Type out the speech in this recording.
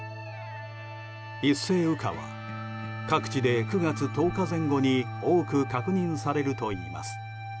一斉羽化は各地で９月１０日前後に多く確認されるといいます。